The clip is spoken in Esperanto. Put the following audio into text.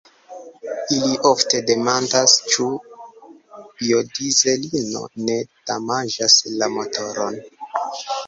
Ili ofte demandas, ĉu biodizelino ne damaĝas la motoron.